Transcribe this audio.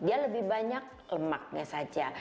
dia lebih banyak lemaknya saja